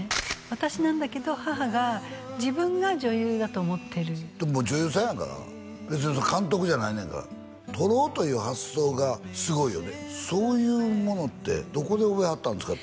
私なんだけど母が自分が女優だと思ってるもう女優さんやから別に監督じゃないねんから撮ろうという発想がすごいよねそういうものってどこで覚えはったんですか？